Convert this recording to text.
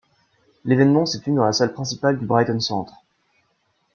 L'évènement s'est tenu dans la salle principale du Brighton Centre.